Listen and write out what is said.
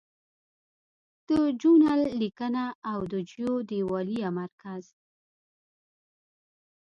د جو نل لیکنه او د جو دیوالیه مرکز